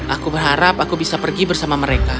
aku berharap aku bisa pergi bersama mereka